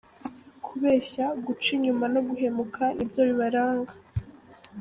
Kubeshya, guca inyuma no guhemuka ni byo bibaranga.